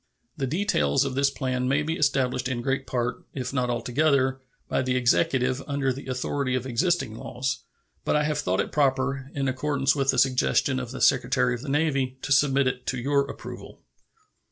The details of this plan may be established in great part, if not altogether, by the Executive under the authority of existing laws, but I have thought it proper, in accordance with the suggestion of the Secretary of the Navy, to submit it to your approval.